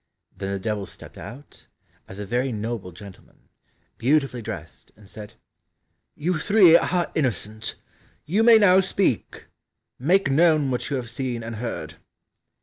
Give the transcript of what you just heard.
Then the Devil stepped out as a very noble gentleman, beautifully dressed, and said, "You three are innocent; you may now speak, make known what you have seen and heard."